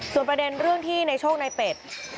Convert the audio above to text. ส่วนประเด็นเรื่องที่ในโชคในเป็ด